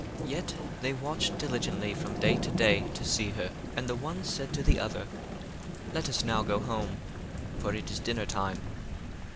1:12 Yet they watched diligently from day to day to see her. 1:13 And the one said to the other, Let us now go home: for it is dinner time.